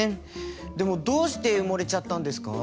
でもどうして埋もれちゃったんですか？